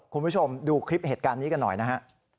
คุณผู้ชมดูคลิปเหตุการณ์นี้กันหน่อยนะฮะ